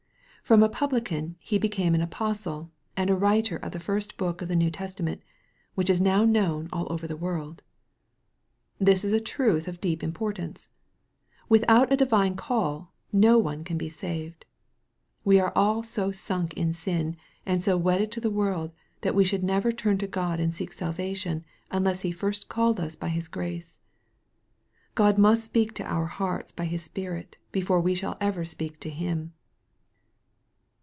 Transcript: From a publican he became an apostle, and a writer of the first book in the New Tes tament, which is now known all over the world. This is a truth of deep importance. Without a divine call no one can be saved. We are all so sunk in sin, and so wedded to the world, that we should never turn to God and seek salvation, unless He first called us by His grace. God must speak to our hearts by His Spirit, be fore we shall ever speak to Him.